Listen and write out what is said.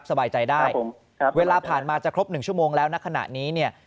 สบายใจได้เวลาผ่านมาจะครบ๑ชั่วโมงแล้วณขณะนี้